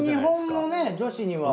日本のね女子には。